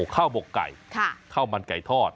ข้าวหมกไก่ข้าวมันไก่ทอด